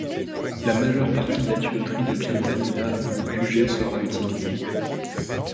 La majeure partie de la tuyauterie de Piantanida et de Puget sera utilisée.